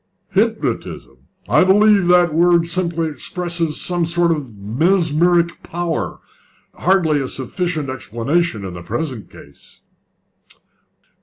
"Hypnotism! I believe that the word simply expresses some sort of mesmeric power hardly a sufficient explanation in the present case."